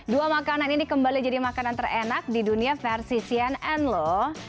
dua makanan ini kembali jadi makanan terenak di dunia versi cnn loh